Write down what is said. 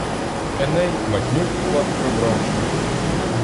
Еней, матню в кулак прибравши